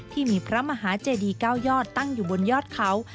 ที่มีพระมหาเจดี๙ยอดตั้งอยู่บนยอดเขา